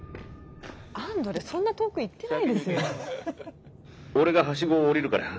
アンドレそんな遠く行ってないですよ。